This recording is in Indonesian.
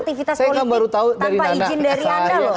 aktivitas politik tanpa izin dari anda loh